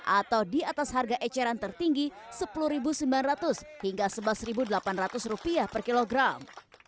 atau di atas harga eceran tertinggi rp sepuluh sembilan ratus hingga rp sebelas delapan ratus per kilogram